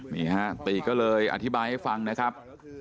นี่ฮะตีก็เลยอธิบายให้ฟังนะครับ